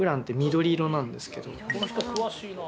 この人詳しいな。